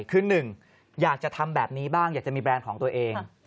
คือหนึ่งอยากจะทำแบบนี้บ้างอยากจะมีแบรนด์ของตัวเอง